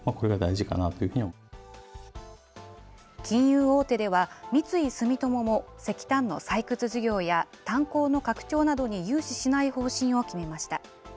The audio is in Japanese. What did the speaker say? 金融大手では、三井住友も石炭の採掘事業や炭鉱の拡張などに融資しない方針を決めました。